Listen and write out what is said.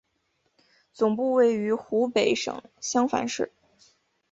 总部位于湖北省襄樊市。